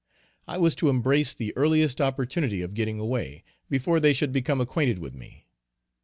I was to embrace the earliest opportunity of getting away, before they should become acquainted with me.